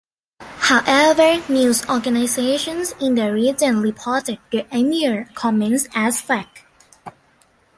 However, news organizations in the region reported the emir's comments as fact.